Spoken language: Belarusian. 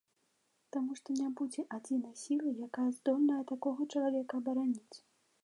Таму што не будзе адзінай сілы, якая здольная такога чалавека абараніць.